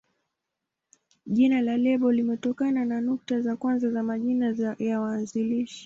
Jina la lebo limetokana na nukta za kwanza za majina ya waanzilishi.